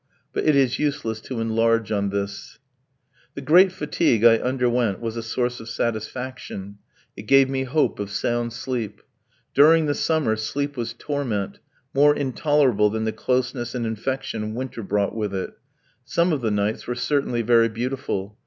But it is useless to enlarge on this. The great fatigue I underwent was a source of satisfaction, it gave me hope of sound sleep. During the summer sleep was torment, more intolerable than the closeness and infection winter brought with it. Some of the nights were certainly very beautiful.